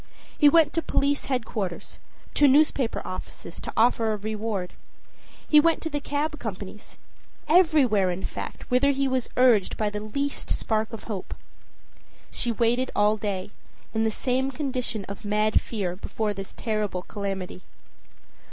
He went to police headquarters, to the newspaper offices to offer a reward; he went to the cab companies everywhere, in fact, whither he was urged by the least spark of hope. She waited all day, in the same condition of mad fear before this terrible calamity.